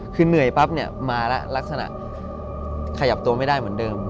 คือเหนื่อยปั๊บเนี่ยมาแล้วลักษณะขยับตัวไม่ได้เหมือนเดิม